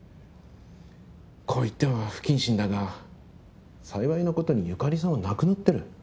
こう言っては不謹慎だが幸いなことに由香里さんは亡くなってる。